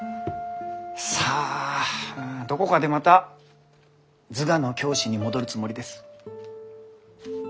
さあどこかでまた図画の教師に戻るつもりです。